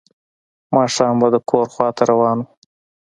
ماښام به د کور خواته روان و.